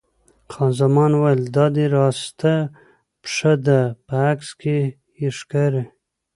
خان زمان وویل: دا دې راسته پښه ده، په عکس کې یې ښکاري.